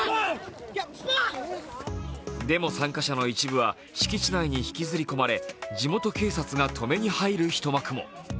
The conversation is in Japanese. デモ参加者の一部は敷地内に引きずり込まれ、地元警察が止めに入る一幕も。